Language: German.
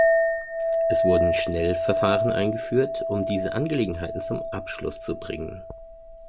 Es wurden Schnellverfahren eingeführt, um diese Angelegenheiten zum Abschluss zu bringen.